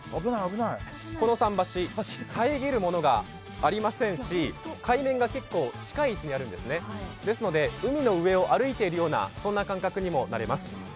この桟橋、遮るものがありませんし海面が結構、近い位置にあるんですね、海のうえを歩いているような、そんな感覚になります。